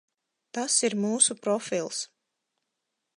Tas ir mūsu profils.